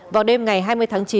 vào đêm ngày hai mươi tháng chín